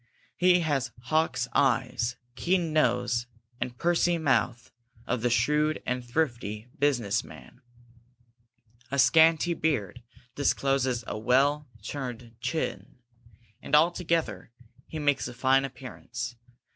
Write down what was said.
He has the hawk's eye, keen nose, and pursy mouth of the shrewd and thrifty business man. A scanty beard discloses a well turned chin, and altogether he makes a fine appearance.